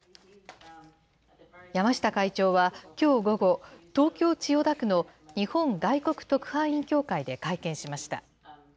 山下会長はきょう午後、東京・千代田区の日本外国特派員協会で会見しました。